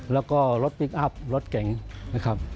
แล้วก็รถพลิกอัพรถเก่งนะครับ